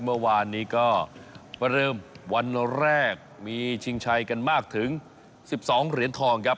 เมื่อวานนี้ก็เริ่มวันแรกมีชิงชัยกันมากถึง๑๒เหรียญทองครับ